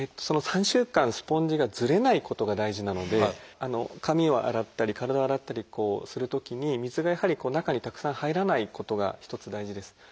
その３週間スポンジがずれないことが大事なので髪を洗ったり体を洗ったりするときに水がやはり中にたくさん入らないことが一つ大事です。